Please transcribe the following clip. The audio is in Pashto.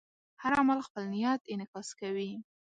هر عمل خپل نیت انعکاس کوي.